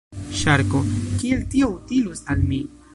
Ŝarko: "Kiel tio utilus al mi?"